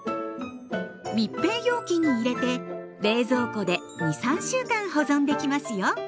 密閉容器に入れて冷蔵庫で２３週間保存できますよ。